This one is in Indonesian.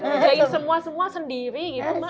menjahit semua semua sendiri